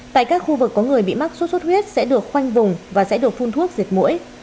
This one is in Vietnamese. tại các khu vực có người bị mắc sốt xuất huyết sẽ được khoanh vùng và sẽ được phun thuốc diệt mũi